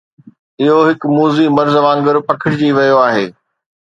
اهو هڪ موذي مرض وانگر پکڙجي ويو آهي